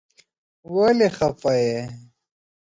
ولی خپه یی ؟